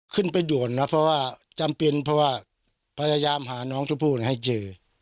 ขึ้นไปโดนนะเพราะว่าจำเป็นเพราะว่าพยายามหาน้องทุกผู้ให้เจอ